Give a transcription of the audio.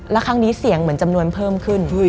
แล้วครั้งนี้เสียงเหมือนจำนวนเพิ่มขึ้น